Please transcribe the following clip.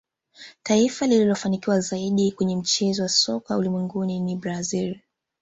taifa lililofanikiwa zaidi kwenye mchezo wa soka ulimwenguni ni brazil